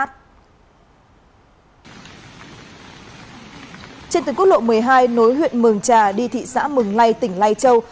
trên tuyến quốc lộ một mươi hai nối huyện mường trà đi thị xã mường lây tỉnh lai châu